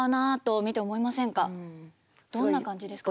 どんな感じですか？